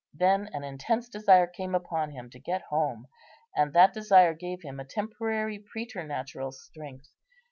Then an intense desire came upon him to get home, and that desire gave him a temporary preternatural strength.